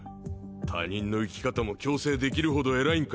他人の生き方も強制できる程偉いんか